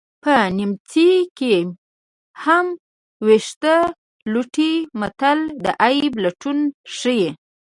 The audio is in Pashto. په نیمڅي کې هم ویښته لټوي متل د عیب لټون ښيي